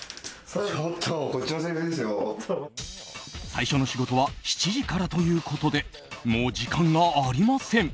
最初の仕事は７時からということでもう時間がありません。